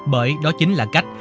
bởi đó chính là cách